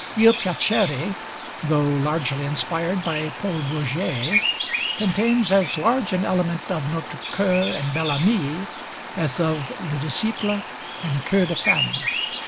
'Il Piacere,' though largely inspired by Paul Bourget, contains as large an element of 'Notre Coeur' and 'Bel Ami' as of 'Le Disciple' and 'Coeur de Femme.'